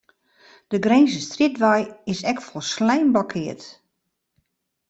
De Grinzerstrjitwei is ek folslein blokkeard.